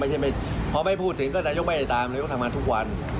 พอไม่พูดถึงก็นายกไม่ได้ตามนายกทำงานทุกวัน